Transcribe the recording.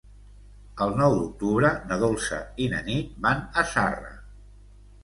El nou d'octubre na Dolça i na Nit van a Zarra.